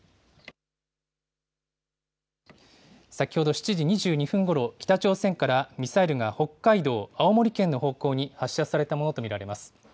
先ほど７時２２分ごろ、北朝鮮からミサイルが北海道、青森県の方向に発射されたものと見られます。